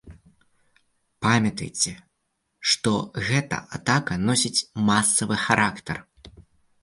Памятайце, што гэта атака носіць масавы характар.